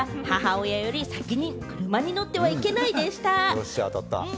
よっしゃ、当たった！